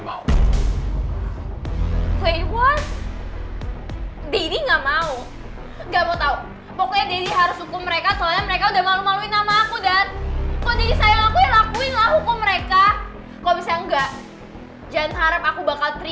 jauh banget didi jauh banget